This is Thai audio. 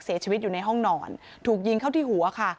เสียชีวิตอยู่ในห้องนอนถูกยิงเข้าที่หัวค่ะ